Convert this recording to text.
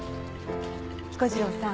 彦次郎さん。